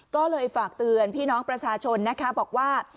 ก็เลยฝากเตือนพี่น้องประชาชนนะคะบอกว่า